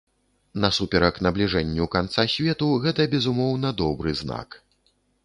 Насуперак набліжэнню канца свету, гэта, безумоўна, добры знак.